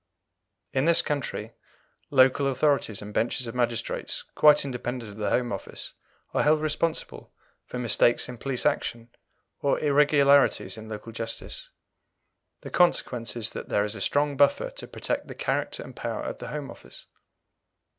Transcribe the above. In this country, local authorities and benches of magistrates, quite independent of the Home Office, are held responsible for mistakes in police action or irregularities in local justice. The consequence is that there is a strong buffer to protect the character and power of the Home Office.